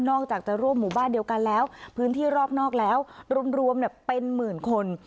อกจากจะร่วมหมู่บ้านเดียวกันแล้วพื้นที่รอบนอกแล้วรวมเป็นหมื่นคน